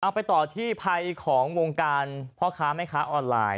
ไปต่อที่ภัยของวงการพ่อค้าแม่ค้าออนไลน์